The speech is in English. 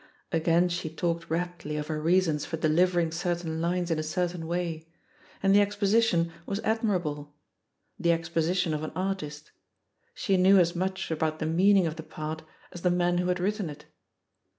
Again she talked raptly of her reasons for delivering cer tain lines in a certain way, and the exposition was admirable — ^the exposition of an artist ; she knew as much about the meaning of the part as the man who had written it.